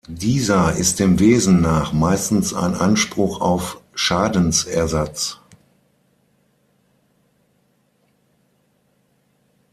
Dieser ist dem Wesen nach meistens ein Anspruch auf Schadensersatz.